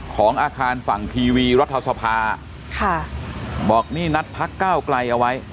ของอาคารฝั่งทีวีรัฐสภาค่ะบอกนี่นัดพักก้าวไกลเอาไว้